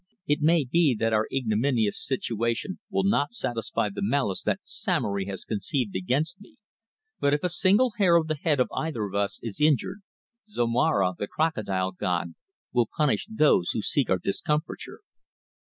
It may be that our ignominious situation will not satisfy the malice that Samory has conceived against me, but if a single hair of the head of either of us is injured, Zomara, the Crocodile god, will punish those who seek our discomfiture."